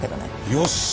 よし！